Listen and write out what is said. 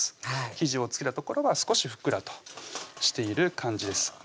生地を付けた所は少しふっくらとしている感じです